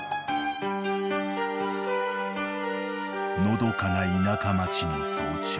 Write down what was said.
［のどかな田舎町の早朝］